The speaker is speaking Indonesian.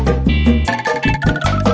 dia punya makanan tempo